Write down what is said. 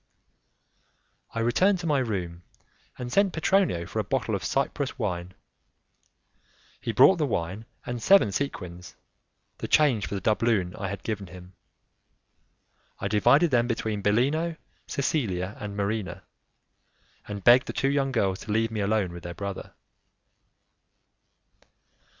I returned to my room and sent Petronio for a bottle of Cyprus wine. He brought the wine and seven sequins, the change for the doubloon I had given him. I divided them between Bellino, Cecilia and Marina, and begged the two young girls to leave me alone with their brother.